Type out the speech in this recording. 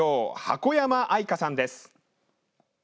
箱山愛香さんです。